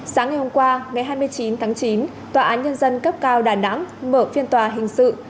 sáng ngày hôm qua ngày hai mươi chín tháng chín tòa án nhân dân cấp cao đà nẵng mở phiên tòa hình sự